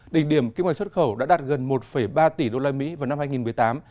đỉnh điểm kinh ngạch xuất khẩu đã đạt gần một ba tỷ usd vào năm hai nghìn một mươi tám